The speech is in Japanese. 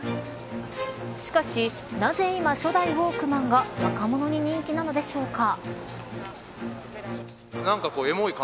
しかしなぜ今、初代ウォークマンが若者に人気なのでしょうか。